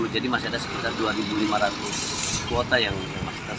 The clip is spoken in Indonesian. jadi masih ada sekitar rp dua lima ratus kuota yang sudah dikemas